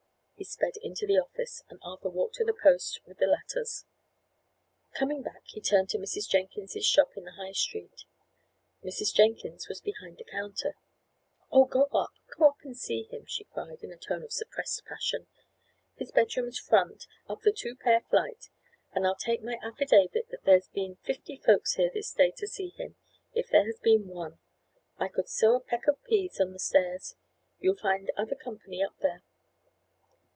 He sped into the office, and Arthur walked to the post with the letters. Coming back, he turned into Mrs. Jenkins's shop in the High Street. Mrs. Jenkins was behind the counter. "Oh, go up! go up and see him!" she cried, in a tone of suppressed passion. "His bedroom's front, up the two pair flight, and I'll take my affidavit that there's been fifty folks here this day to see him, if there has been one. I could sow a peck of peas on the stairs! You'll find other company up there."